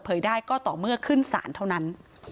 ได้ก็ต่อเมื่อขึ้นศาลเท่านั้น